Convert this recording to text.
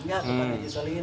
tidak bapak haji solihin